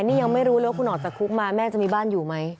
นี่ยังไม่รู้เลยว่าคุณออกจากคุกมาแม่จะมีบ้านอยู่ไหม